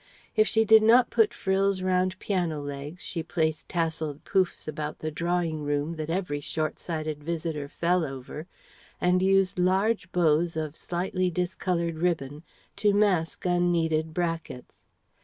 If she did not put frills round piano legs, she placed tasselled poufs about the drawing room that every short sighted visitor fell over, and used large bows of slightly discoloured ribbon to mask unneeded brackets.